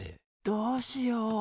どうしよう。